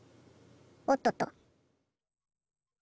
おっとっと！